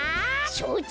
しょうち！